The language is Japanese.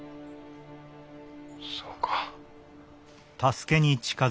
そうか。